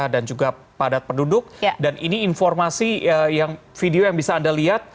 dan juga padat penduduk dan ini informasi yang video yang bisa anda lihat